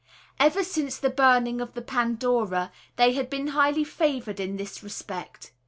Ever since the burning of the Pandora, they had been highly favoured in this respect.